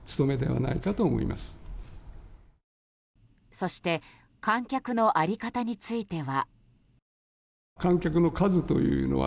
そして観客の在り方については。